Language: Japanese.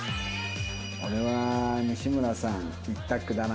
俺は西村さん１択だな。